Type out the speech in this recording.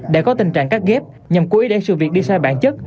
để có tình trạng cắt ghép nhằm cố ý để sự việc đi sai bản chất